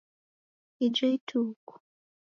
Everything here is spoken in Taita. Ijo Ituku.